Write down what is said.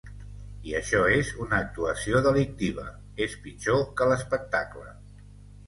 I això és una actuació delictiva, és pitjor que l’espectacle.